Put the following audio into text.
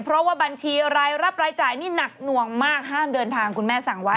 เพราะว่าบัญชีรายรับรายจ่ายนี่หนักหน่วงมากห้ามเดินทางคุณแม่สั่งไว้